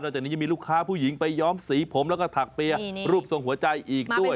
จากนี้ยังมีลูกค้าผู้หญิงไปย้อมสีผมแล้วก็ถักเปียร์รูปทรงหัวใจอีกด้วย